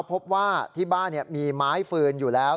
พบว่าที่บ้านมีไม้ฟืนอยู่แล้ว